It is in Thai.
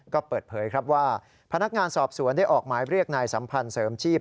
ก็เปิดเผยครับว่าพนักงานสอบสวนได้ออกหมายเรียกนายสัมพันธ์เสริมชีพ